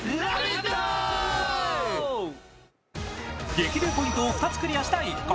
激流ポイントを２つクリアした一行。